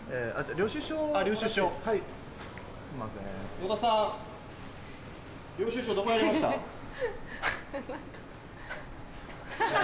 領収書どこやりました？ハハハ！